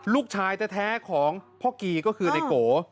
ลูกชายแท้ของพ่อกีก็คือในโก